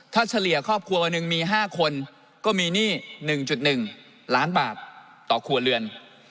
ถ้าเฉลี่ยครอบครัววันหนึ่งมี๕คนก็มีหนี้๑๑ล้านบาทต่อครัวเรือน